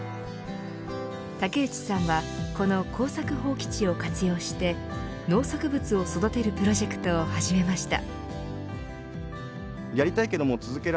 竹内さんはこの耕作放棄地を活用して農作物を育てるプロジェクトを始めました。